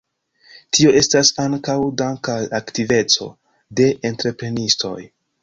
Tio estas ankaŭ dank al aktiveco de entreprenistoj.